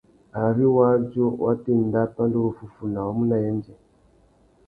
Ari wādjú wa tà enda pandúruffúffuna, wá mú nà yêndzê.